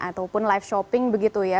ataupun live shopping begitu ya